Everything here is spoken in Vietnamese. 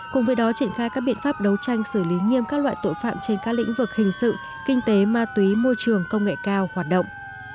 cùng với đó triển khai các biện pháp đấu tranh xử lý nghiêm các loại tội phạm trên các lĩnh vực hình sự kinh tế ma túy môi trường công nghệ cao hoạt động